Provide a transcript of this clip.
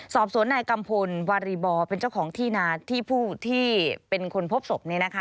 สอบสวนนายกัมพลวารีบอเป็นเจ้าของที่นาที่ผู้ที่เป็นคนพบศพ